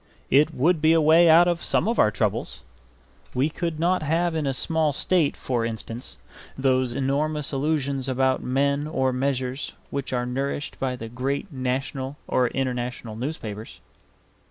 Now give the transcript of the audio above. It would be a way out of some of our troubles; we could not have in a small state, for instance, those enormous illusions about men or measures which are nourished by the great national or international newspapers.